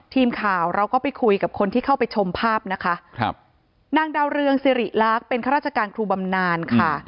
ทีมข่าวเราก็ไปคุยกับคนที่เข้าไปชมภาพนะคะครับนางดาวเรืองสิริลักษณ์เป็นข้าราชการครูบำนานค่ะ